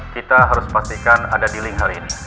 kita harus pastikan ada dealing hari ini